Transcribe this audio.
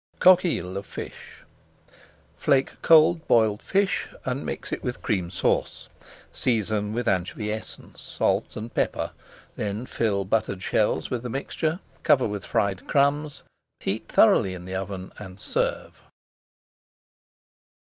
COQUILLES OF FISH Flake cold boiled fish and mix it with Cream Sauce. Season with anchovy essence, salt and pepper, then fill buttered shells with the mixture, cover with fried crumbs, heat thoroughly in the oven, and serve.